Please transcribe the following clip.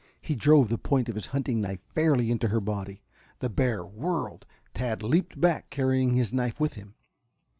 He drove the point of his hunting knife fairly into her body. The bear whirled. Tad leaped back, carrying his knife with him.